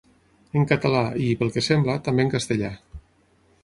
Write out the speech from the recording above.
En català i, pel que sembla, també en castellà.